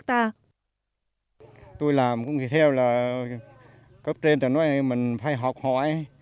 tôi làm cũng như thế là cấp trên tầng đó mình phải học hỏi